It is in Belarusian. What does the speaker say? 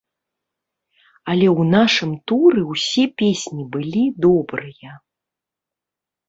Але ў нашым туры ўсе песні былі добрыя.